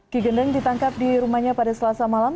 ki gendeng ditangkap di rumahnya pada selasa malam